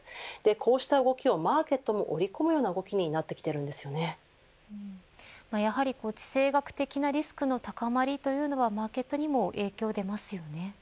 こうした動きをマーケットに織り込むような動きになってやはり地政学的なリスクの高まりというのはマーケットにも影響出ますよね。